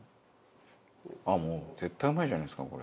あっもう絶対うまいじゃないですかこれ。